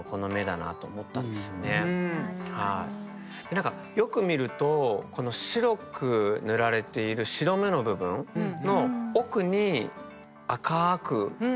何かよく見るとこの白く塗られている白目の部分の奥に赤く塗られた跡があったりしますよね。